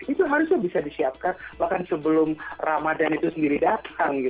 itu harusnya bisa disiapkan bahkan sebelum ramadhan itu sendiri datang